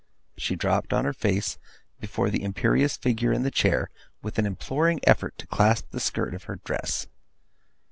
She dropped on her face, before the imperious figure in the chair, with an imploring effort to clasp the skirt of her dress.